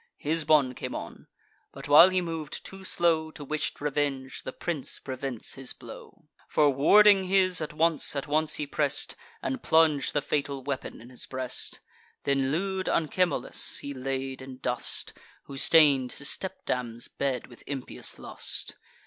Hisbon came on: but, while he mov'd too slow To wish'd revenge, the prince prevents his blow; For, warding his at once, at once he press'd, And plung'd the fatal weapon in his breast. Then lewd Anchemolus he laid in dust, Who stain'd his stepdam's bed with impious lust.